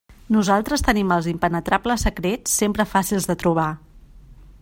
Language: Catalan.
Nosaltres tenim els impenetrables secrets sempre fàcils de trobar.